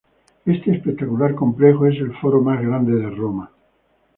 Este espectacular complejo es el Foro más grande de Roma.